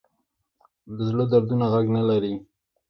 د زړه دردونه غږ نه لري